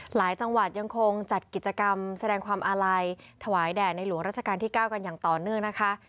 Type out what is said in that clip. หลายจังหวัดยังคงจัดกิจกรรมแสดงความอาลัยถวายแด่ในหลวงราชการที่๙กันอย่างต่อเนื่องนะคะ